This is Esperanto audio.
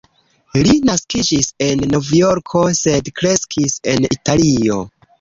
Li naskiĝis en Novjorko, sed kreskis en Italio.